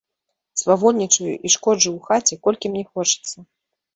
Свавольнічаю і шкоджу ў хаце, колькі мне хочацца.